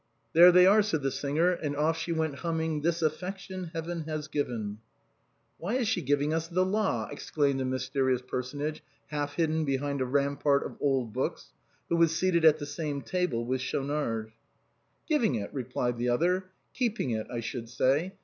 " There they are," said the singer : and off she went humming :" This affection Heaven has given." "Why, she is giving us the la!" exclaimed a mysterious personage half hidden behind a rampart of old books, who was seated at the same table with Schaunard. HOW THE BOHEMIAN CLUB WAS FORMED. 19 "Giving it !" replied the other :" keeping it, I should say.